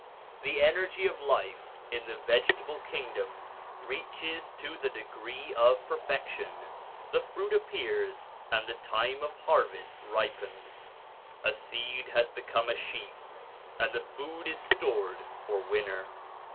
The energy of life in the vegetable kingdom reaches to the degree of perfection, the fruit appears, and the time of harvest ripens; a seed has become a sheaf, and the food is stored for winter.